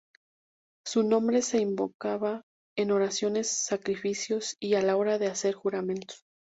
Su nombre se invocaba en oraciones, sacrificios y a la hora de hacer juramentos.